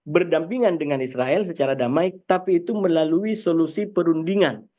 berdampingan dengan israel secara damai tapi itu melalui solusi perundingan